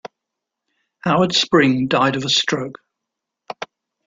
Howard Spring died of a stroke.